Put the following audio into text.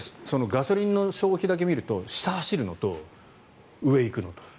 ガソリンの消費だけ見たら下を走るのと上を行くのと。